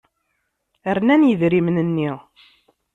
Rnan yidrimen-nni.